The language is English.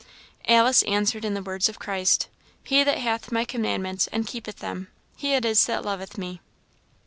Alice answered in the words of Christ: "He that hath my commandments and keepeth them, he it is that loveth me."